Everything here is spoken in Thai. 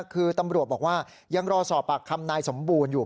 คือตำรวจบอกว่ายังรอสอบปากคำนายสมบูรณ์อยู่